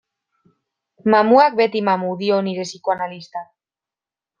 Mamuak beti mamu, dio nire psikoanalistak.